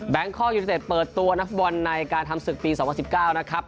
แบงค์คอลยูนิเตตเปิดตัวนักฟุตบอลในการทำศึกปีสองพันสิบเก้านะครับ